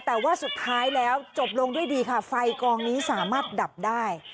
แต่ว่าสุดท้ายแล้วจบลงด้วยดีค่ะไฟกองนี้สามารถดับได้